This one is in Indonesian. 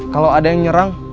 kalau ada yang nyerang